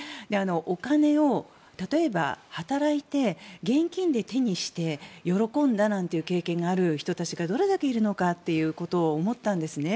お金を例えば働いて現金で手にして喜んだなんていう経験がある人がどれだけいるのかっていうことを思ったんですね。